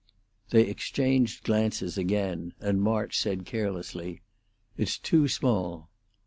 They exchanged glances again, and March said, carelessly, "It's too small."